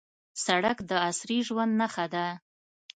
سړک د عصري ژوند نښه ده.